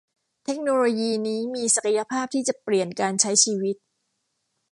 เทคโนโลยีนี้มีศักยภาพที่จะเปลี่ยนการใช้ชีวิต